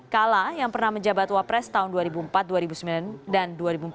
kala yang pernah menjabat wapres tahun dua ribu empat dan dua ribu empat belas dua ribu sembilan belas